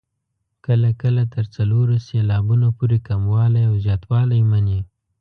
کله کله تر څلورو سېلابونو پورې کموالی او زیاتوالی مني.